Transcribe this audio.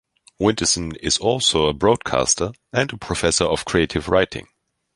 Winterson is also a broadcaster and a professor of creative writing.